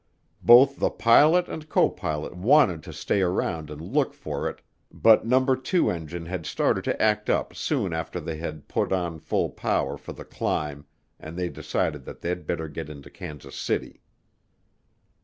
Both the pilot and copilot wanted to stay around and look for it but No. 2 engine had started to act up soon after they had put on full power for the climb, and they decided that they'd better get into Kansas City.